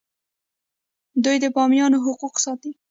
دوی د بومیانو حقوق ساتي.